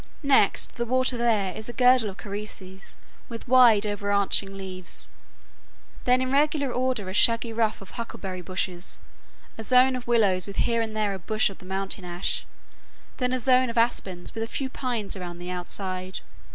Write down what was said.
Next the water there is a girdle of carices with wide overarching leaves, then in regular order a shaggy ruff of huckleberry bushes, a zone of willows with here and there a bush of the Mountain Ash, then a zone of aspens with a few pines around the outside.